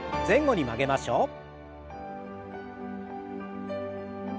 前後に曲げましょう。